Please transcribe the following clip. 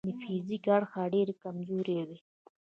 د فزیکي اړخه ډېر کمزوري وي.